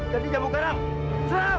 jadi jambu karam